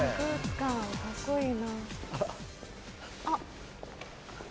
あっ。